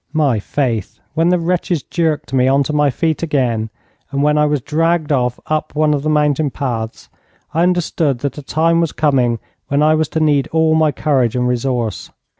My faith! when the wretches jerked me on to my feet again, and when I was dragged off up one of the mountain paths, I understood that a time was coming when I was to need all my courage and resource.